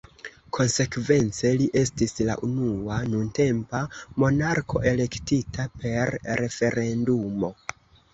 Konsekvence, li estis la unua nuntempa monarko elektita per referendumo.